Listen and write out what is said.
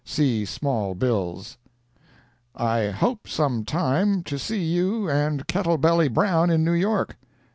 See small bills. I hope, some time, to see you and Kettle belly Brown in New York.